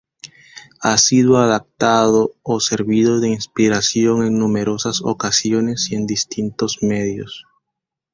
Ha sido adaptado o servido de inspiración en numerosas ocasiones y en distintos medios.